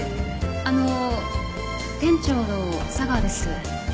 あの店長の佐川です。